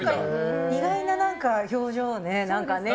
意外な表情ね。